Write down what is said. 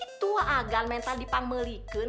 itu agan yang tadi pangmelikin